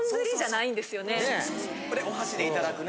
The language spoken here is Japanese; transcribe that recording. ・お箸でいただくね・